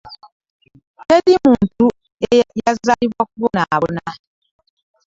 Teri muntu yazaalibwa kubonaabona.